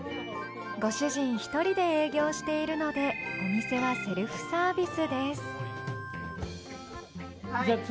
ご主人１人で営業しているのでお店はセルフサービスですじゃあ